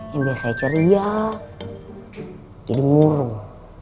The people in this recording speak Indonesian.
yang biasa ceria jadi murung